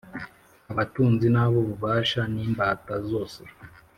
abatunzi n’ab’ububasha n’imbata zose